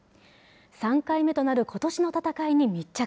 ３回目となることしの戦いに密着。